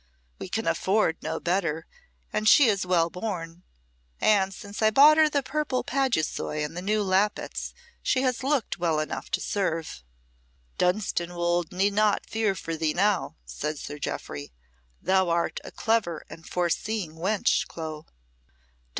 We can afford no better, and she is well born, and since I bought her the purple paduasoy and the new lappets she has looked well enough to serve." "Dunstanwolde need not fear for thee now," said Sir Jeoffry. "Thou art a clever and foreseeing wench, Clo."